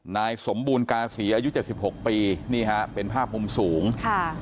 นายสมบูรณกาศีอายุเจ็ดสิบหกปีนี่ฮะเป็นภาพมุมสูงค่ะ